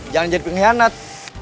jangan jadi pengkhianat